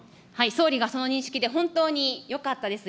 総理がその認識で本当によかったです。